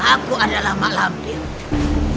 aku adalah mak lamdir